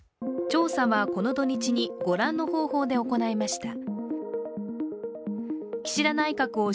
調査はこの土日にご覧の方法で行いました。